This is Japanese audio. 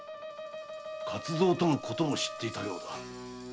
勝蔵とのことも知っていたようだ。